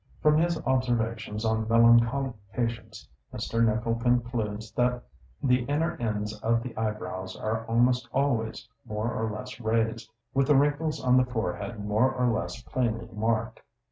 From his observations on melancholic patients, Mr. Nicol concludes that the inner ends of the eyebrows are almost always more or less raised, with the wrinkles on the forehead more or less plainly marked.